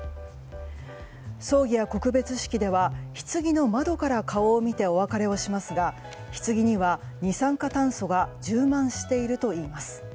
葬儀や告別式ではひつぎの窓から顔を見てお別れをしますがひつぎには二酸化炭素が充満しているといいます。